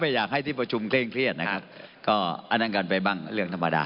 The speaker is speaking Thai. อยากให้ที่ประชุมเคร่งเครียดนะครับก็อันนั้นกันไปบ้างเรื่องธรรมดา